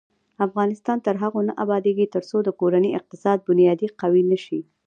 افغانستان تر هغو نه ابادیږي، ترڅو د کورنۍ اقتصادي بنیادي قوي نشي.